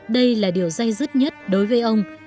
đây là điều dây dứt nhất đối với ông